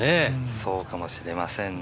そうかもしれませんね。